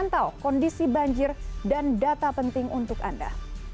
pantau kondisi banjir dan data penting untuk anda